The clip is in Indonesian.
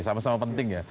sama sama penting ya